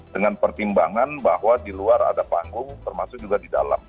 dengan pertimbangan bahwa di luar ada panggung termasuk juga di dalam